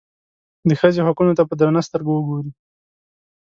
د ښځې حقونو ته په درنه سترګه وګوري.